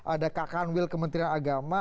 ada kak kanwil kementerian agama